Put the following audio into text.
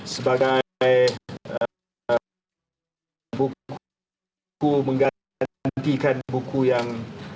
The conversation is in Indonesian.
sebagai buku menggantikan buku yang